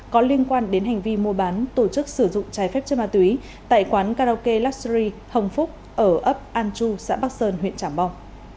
có liên quan đến hành vi mua bán tổ chức sử dụng trái phép chân ma túy tại quán karaoke luxury hồng phúc ở ấp an chu xã bắc sơn huyện trảng bom